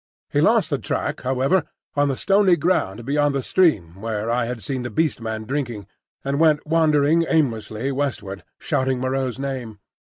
He lost the track, however, on the stony ground beyond the stream where I had seen the Beast Man drinking, and went wandering aimlessly westward shouting Moreau's name.